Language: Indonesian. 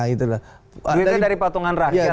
duitnya dari patungan rakyat